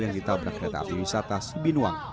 yang ditabrak kereta api wisata sibinuang